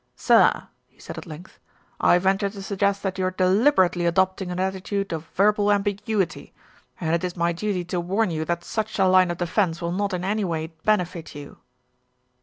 "Sir!" he said at length, "I venture to suggest that you are deliberately adopting an attitude of verbal ambiguity, and it is my duty to warn you that such a line of defence will not in any way benefit you."